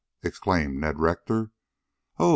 exclaimed Ned Rector. "Oh!"